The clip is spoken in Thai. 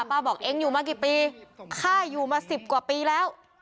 บอกเองอยู่มากี่ปีฆ่าอยู่มา๑๐กว่าปีแล้ว